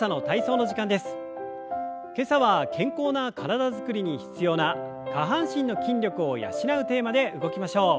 今朝は健康な体づくりに必要な下半身の筋力を養うテーマで動きましょう。